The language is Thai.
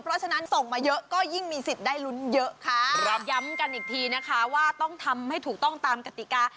เพราะฉะนั้นส่งมาเยอะก็ยิ่งมีสิทธิ์ได้ลุ้นเยอะค่ะย้ำกันอีกทีนะคะว่าต้องทำให้ถูกต้องตามกติกา